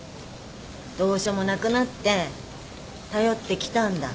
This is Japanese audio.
どうしようもなくなって頼ってきたんだ？